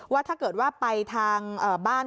ว่าถ้าเกิดว่าไปทางบ้าน